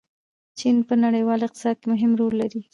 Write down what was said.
چین په نړیواله اقتصاد کې مهم رول لري.